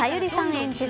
演じる